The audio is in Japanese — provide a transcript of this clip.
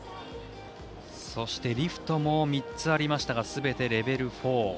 そして、リフトも３つありましたがすべてレベル４。